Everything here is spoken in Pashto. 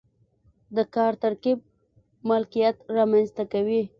د کار ترکیب مالکیت رامنځته کوي.